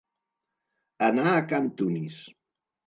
Anar a can Tunis.